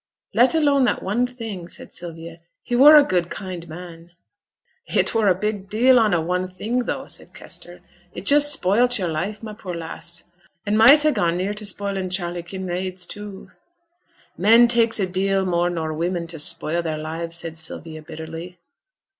'Let alone that one thing,' said Sylvia, 'he were a kind, good man.' 'It were a big deal on a "one thing", though,' said Kester. 'It just spoilt yo'r life, my poor lass; an' might ha' gone near to spoilin' Charley Kinraid's too.' 'Men takes a deal more nor women to spoil their lives,' said Sylvia, bitterly.